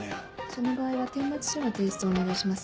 その場合は顛末書の提出お願いします。